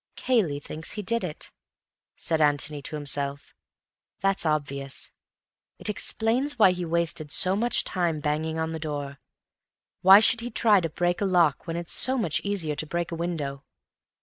"Cayley thinks he did it," said Antony to himself. "That's obvious. It explains why he wasted so much time banging on the door. Why should he try to break a lock when it's so much easier to break a window?